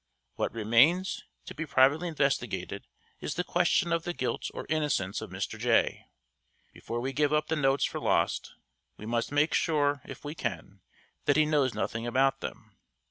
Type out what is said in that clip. What remains to be privately investigated is the question of the guilt or innocence of Mr. Jay. Before we give up the notes for lost, we must make sure, if we can, that he knows nothing about them.